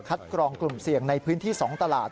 กรองกลุ่มเสี่ยงในพื้นที่๒ตลาด